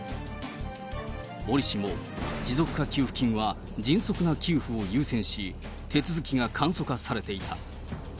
おりしも持続化給付金は迅速な給付を優先し、手続きが簡素化されていた。